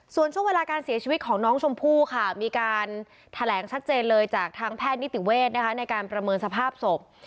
ส่วนช่วงเวลาการเสียชีวิตของน้องชมพู่ค่ะมีการแถลงชัดเจนเลยจากทางแพทย์นิติเวศในการประเมินสภาพศพ